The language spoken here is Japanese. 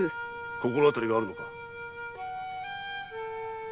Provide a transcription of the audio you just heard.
心当たりがあるのか。